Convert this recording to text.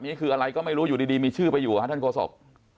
นี่คืออะไรก็ไม่รู้อยู่ดีมีชื่อไปอยู่ท่านโฆษก